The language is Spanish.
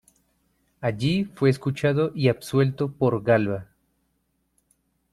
Allí fue escuchado y absuelto por Galba.